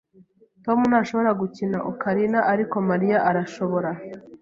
Tom ntashobora gukina ocarina, ariko Mariya arashobora.